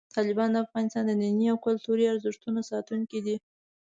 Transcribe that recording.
طالبان د افغانستان د دیني او کلتوري ارزښتونو ساتونکي دي.